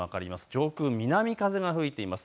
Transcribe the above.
上空、南風が吹いています。